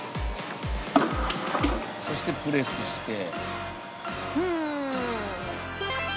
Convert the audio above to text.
そしてプレスして。